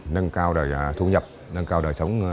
nâng cao đời thu nhập nâng cao đời sống